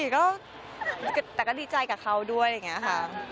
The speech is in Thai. แต่ก็ดีใจกับเขาด้วยเนี่ยค่ะ